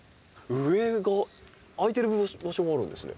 上が開いてる場所があるんですね。